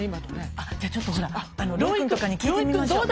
あっじゃあちょっとほらロイ君とかに聞いてみましょう。